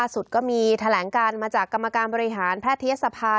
สุดก็มีแถลงกันมากับกรรมการบริษัทสภา